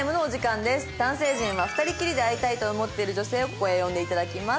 男性陣は２人きりで会いたいと思っている女性をここへ呼んで頂きます。